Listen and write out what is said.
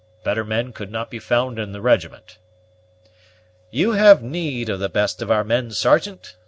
Better men could not be found in the regiment." "You have need of the best of our men, Sergeant.